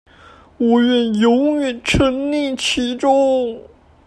我願永遠沈溺其中